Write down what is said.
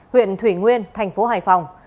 huyện thủy nguyên thành phố hải phòng